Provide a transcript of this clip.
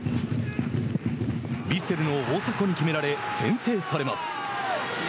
ヴィッセルの大迫に決められ先制されます。